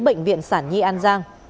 bệnh viện sản nhi an giang